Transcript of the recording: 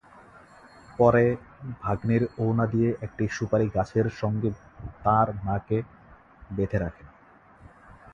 পরে ভাগনির ওড়না দিয়ে একটি সুপারিগাছের সঙ্গে তাঁর মাকে বেঁধে রাখেন।